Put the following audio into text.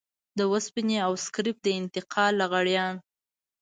د وسپنې او سکريپ د انتقال لغړيان.